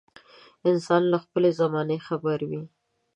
انسان له خپلې زمانې خبر وي.